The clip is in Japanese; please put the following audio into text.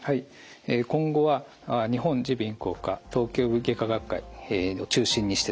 今後は日本耳鼻咽喉科頭頸部外科学会を中心にしてですね